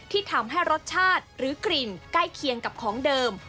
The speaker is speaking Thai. ที่ทำให้รสชาติหรือกลิ่นใกล้เคียงกับของเดิม